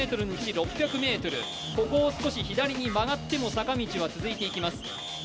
７００ｍのうち６００ｍ、ここを少し左に曲がっても坂道は続いていきます。